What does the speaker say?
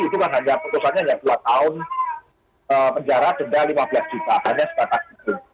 itu kan hanya keputusannya hanya dua tahun penjara denda rp lima belas juta hanya sekat sekat itu